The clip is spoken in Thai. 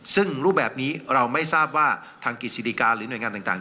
ซึ่งรูปแบบนี้เราไม่ทราบว่าทางกิจสิริกาหรือหน่วยงานต่าง